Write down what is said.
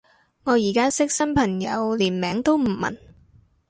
我而家識新朋友連名都唔問